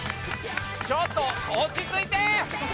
ちょっと落ち着いて！